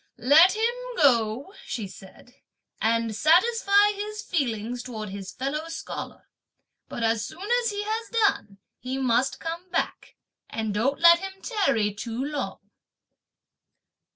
"Let him go," (she said), "and satisfy his feelings towards his fellow scholar; but as soon as he has done, he must come back; and don't let him tarry too long."